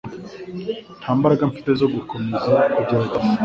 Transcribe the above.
Nta mbaraga mfite zo gukomeza kugerageza